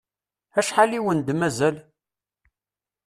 Acḥal i wen-d-mazal?